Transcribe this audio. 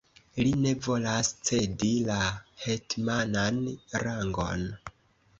Li ne volas cedi la hetmanan rangon!